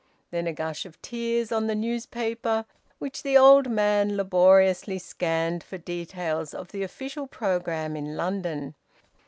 Then a gush of tears on the newspaper, which the old man laboriously scanned for details of the official programme in London.